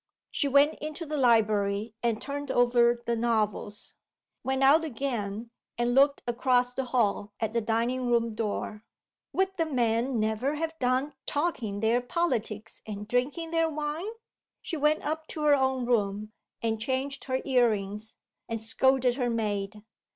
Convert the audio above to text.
She went into the library, and turned over the novels. Went out again, and looked across the hall at the dining room door. Would the men never have done talking their politics and drinking their wine? She went up to her own room, and changed her ear rings, and scolded her maid.